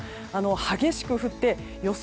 激しく降って予想